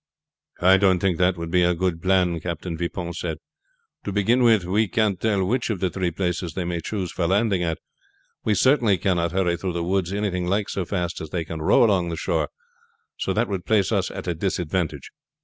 "I don't think that would be a good plan," Captain Vipon said. "To begin with, we can't tell which of the three places they may choose for landing at. We certainly cannot hurry through the woods anything like so fast as they can row along the shore, so that would place us at a disadvantage.